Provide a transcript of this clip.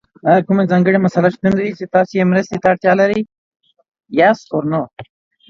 ایا کومه ځانګړې مسله شتون لري چې تاسو یې مرستې ته اړتیا لرئ؟